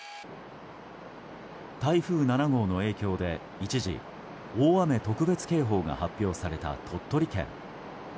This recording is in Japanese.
台風７号の影響で一時、大雨特別警報が発表された鳥取県。